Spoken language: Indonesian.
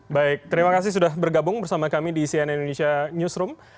baik terima kasih sudah bergabung bersama kami di cnn indonesia newsroom